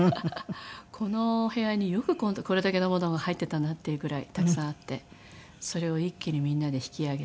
このお部屋によくこれだけのものが入ってたなっていうぐらいたくさんあってそれを一気にみんなで引き揚げて。